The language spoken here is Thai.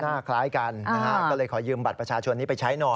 คล้ายกันนะฮะก็เลยขอยืมบัตรประชาชนนี้ไปใช้หน่อย